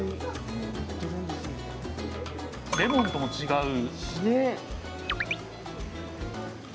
レモンとも違う。